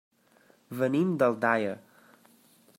Venim d'Aldaia.